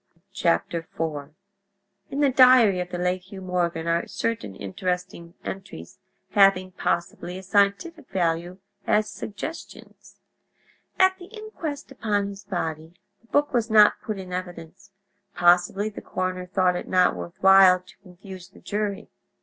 IV In the diary of the late Hugh Morgan are certain interesting entries having, possibly, a scientific value as suggestions. At the inquest upon his body the book was not put in evidence; possibly the coroner thought it not worth while to confuse the jury.